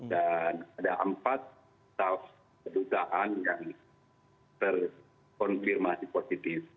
dan ada empat staff kedutaan yang terkonfirmasi positif